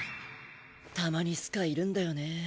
たまにスカいるんだよね。